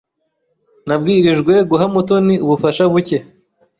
Nabwirijwe guha Mutoni ubufasha buke.